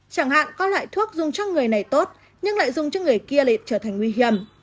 chẳng hạn các loại thuốc dùng cho người này tốt nhưng lại dùng cho người kia trở thành nguy hiểm